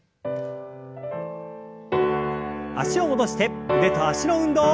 脚を戻して腕と脚の運動。